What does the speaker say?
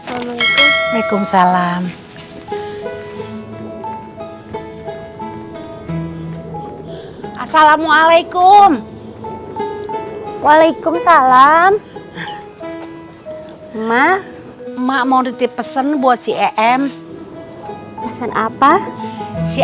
assalamualaikum waalaikumsalam emak emak mau ditip pesen buat si em pesen apa si